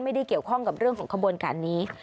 ไม่ได้เกี่ยวข้องกับเรื่องของขบวนการนี้